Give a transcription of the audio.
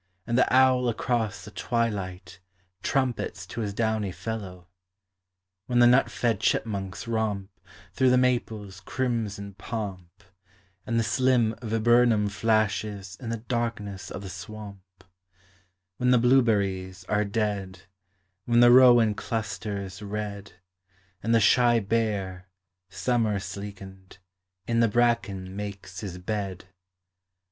And the owl across the twilight Trumpets to his downy fellow When the nut fed chipmunks romp Through the maples' crimson pomp, And the slim viburnum flashes In the darkness of the Bwamp, When the blueberries are dead, When the rowan clusters red, And the shy bear, summer sleekened, In the bracken makes his bed.